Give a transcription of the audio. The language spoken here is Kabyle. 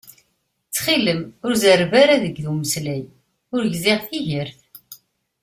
Ttxil-m ur zerreb ara deg umeslay, ur gziɣ tigert